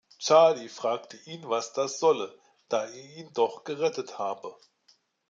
Charly fragt ihn, was das solle, da er ihn doch gerettet habe.